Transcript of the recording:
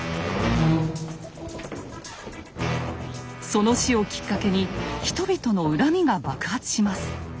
その死をきっかけに人々の恨みが爆発します。